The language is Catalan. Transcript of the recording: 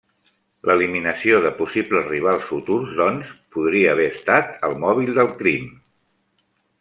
L'eliminació de possibles rivals futurs, doncs, podria haver estat el mòbil del crim.